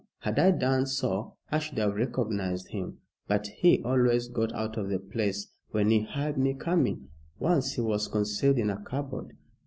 Had I done so I should have recognized him. But he always got out of the place when he heard me coming. Once he was concealed in a cupboard.